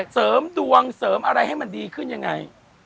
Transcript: เสริมดวงเสริมอะไรให้มันดีขึ้นยังไง